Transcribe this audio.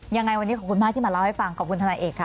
ยังไงวันนี้ขอบคุณมากที่มาเล่าให้ฟังขอบคุณทนายเอกค่ะ